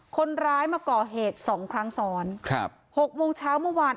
คนร้ายมาก่อเหตุสองครั้งซ้อนครับหกโมงเช้าเมื่อวาน